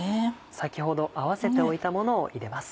先ほど合わせておいたものを入れます。